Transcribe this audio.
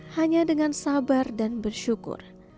hanya dengan sabar dan bersyukur